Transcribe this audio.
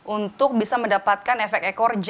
untuk bisa mendapatkan efek ekor